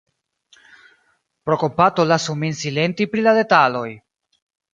Pro kompato lasu min silenti pri la detaloj!